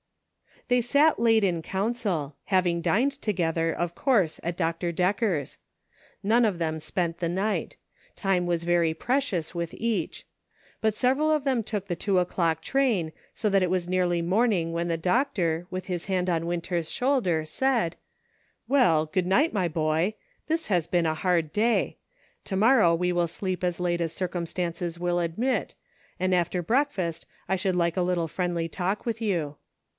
They sat late in council, having dined together, of course, at Dr. Decker's. None of them spent the night ; time was very precious with each ; but several of them took the two o'clock train, so that it was nearly morning when the doctor, with his hand on Winter's shoulder, said :" Well, good night, my boy ! this has been a hard day. To morrow we will sleep as late as circumstances will admit, and after breakfast I should like a little friendly talk with you."